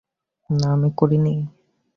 না, আমি করিনি!